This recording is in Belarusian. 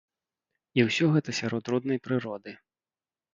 І ўсё гэта сярод роднай прыроды.